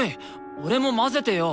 俺も交ぜてよ！